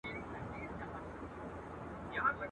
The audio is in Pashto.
یوه لوی کمر ته پورته سو ډېر ستړی.